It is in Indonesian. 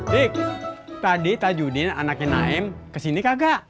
dik tadi tajudin anaknya naim kesini kagak